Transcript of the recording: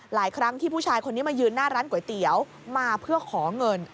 หลายครั้งที่ผู้ชายคนนี้มายืนหน้าร้านก๋วยเตี๋ยวมาเพื่อขอเงิน